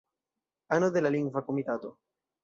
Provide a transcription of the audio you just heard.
Ano de la Lingva Komitato.